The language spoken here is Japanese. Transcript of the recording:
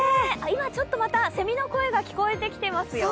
今、ちょっとまたせみの声が聞こえてきていますよ。